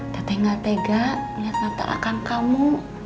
teteh gak tega liat mata akan kamu